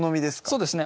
そうですね